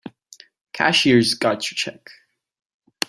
Cashier's got your check.